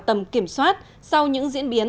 tầm kiểm soát sau những diễn biến